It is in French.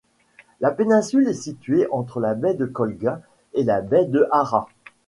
La péninsule est située entre la baie de Kolga et la baie de Hara.